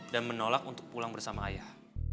dan menolak untuk pulang bersama ayah